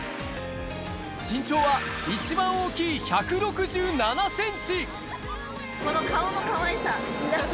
身長は一番大きい１６７センチ。